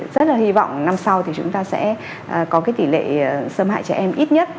rất hy vọng năm sau chúng ta sẽ có tỷ lệ xâm hại trẻ em ít nhất